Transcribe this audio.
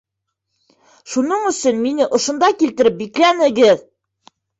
Шуның өсөн мине ошонда килтереп бикләнегеҙ!